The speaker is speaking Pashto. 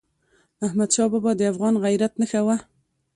احمدشاه بابا د افغان غیرت نښه وه.